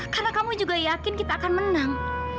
karena kamu juga yakin kita akan menang